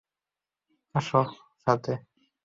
আসো তো সাথে!